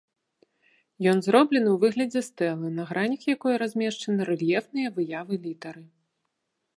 Ён зроблены ў выглядзе стэлы, на гранях якой размешчаны рэльефныя выявы літары.